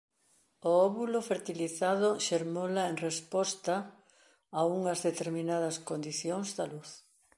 O óvulo fertilizado xermola en resposta a unhas determinadas condicións de luz.